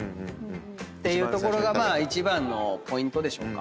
ていうところが一番のポイントでしょうか。